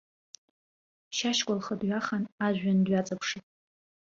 Шьашькәа лхы дҩахан, ажәҩан дҩаҵаԥшит.